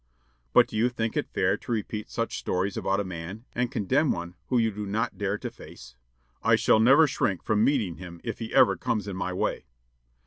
"But do you think it fair to repeat such stories about a man, and condemn one whom you do not dare to face?" "I shall never shrink from meeting him if he ever comes in my way."